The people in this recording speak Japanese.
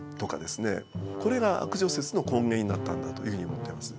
これが悪女説の根源になったんだというふうに思ってます。